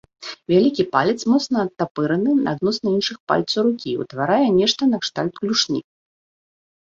Вялікі палец моцна адтапыраны адносна іншых пальцаў рукі і ўтварае нешта накшталт клюшні.